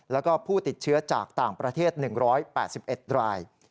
แล้วก็ผู้ติดเชื้อจากต่างประเทศ๑๘๑ราย